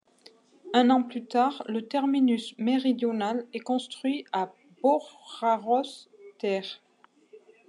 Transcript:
Un an plus tard, le terminus méridional est construit à Boráros tér.